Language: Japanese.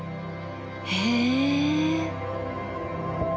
へえ。